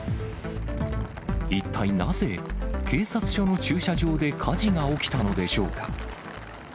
一体なぜ、警察署の駐車場で火事が起きたのでしょうか。